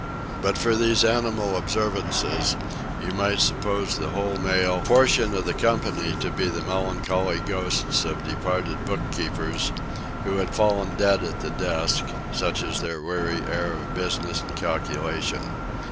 But for these animal observances, you might suppose the whole male portion of the company to be the melancholy ghosts of departed book keepers, who had fallen dead at the desk: such is their weary air of business and calculation.